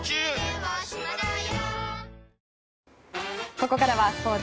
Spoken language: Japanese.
ここからはスポーツ。